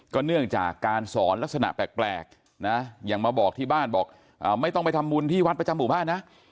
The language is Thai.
เนื่องจากการสอนลักษณะแปลกนะอย่างมาบอกที่บ้านบอกไม่ต้องไปทำบุญที่วัดประจำหมู่บ้านนะ